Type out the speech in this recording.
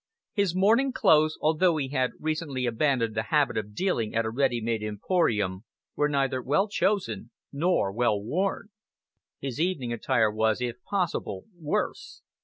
His morning clothes, although he had recently abandoned the habit of dealing at a ready made emporium, were neither well chosen nor well worn. His evening attire was, if possible, worse.